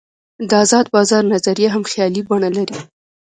د آزاد بازار نظریه هم خیالي بڼه لري.